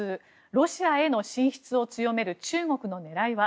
ロシアへの進出を強める中国の狙いは。